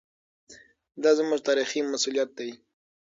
دا زموږ تاریخي مسوولیت دی.